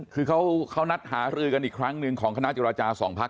คือเขานัดหารือกันอีกครั้งหนึ่งของคณะเจรจาสองพัก